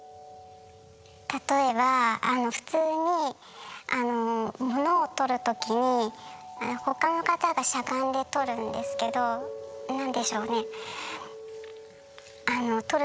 例えば普通にものをとるときに他の方がしゃがんでとるんですけどなんでしょうね。